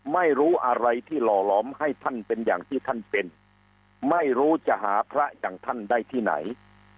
ไม่รู้อะไรที่หล่อหลอมให้ท่านเป็นอย่างที่ท่านเป็นไม่รู้จะหาพระอย่างท่านได้ที่ไหน